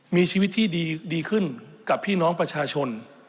มีชีวิตที่ดีขึ้นกับพี่น้องประชาชน